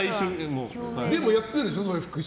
でもやってるんでしょ腹式。